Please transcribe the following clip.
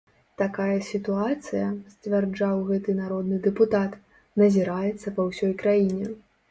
Такая сітуацыя, сцвярджаў гэты народны дэпутат, назіраецца па ўсёй краіне.